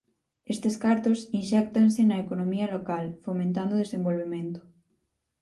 Estes cartos inxéctanse na economía local, fomentando o desenvolvemento.